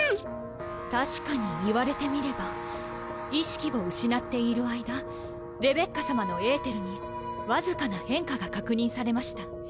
確かに言われてみれば意識を失っている間レベッカさまのエーテルにわずかな変化が確認されました。